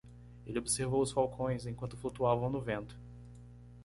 Ele observou os falcões enquanto flutuavam no vento.